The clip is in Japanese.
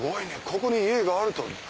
ここに家があると。